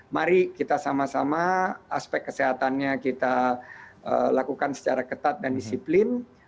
mari kita sama sama aspek kesehatannya kita lakukan secara ketat dan disiplin